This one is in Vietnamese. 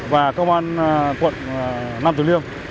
và công an quận nam tuyên liêm